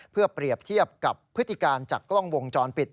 เพื่อเปรียบเทียบกับพฤติการจากกล้องวงจรปิด